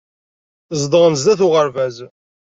Zedɣen sdat uɣerbaz.